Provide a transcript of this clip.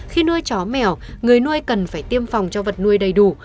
khi nuôi chó mèo người nuôi cần phải tiêm phòng cho vật nuôi đầy đủ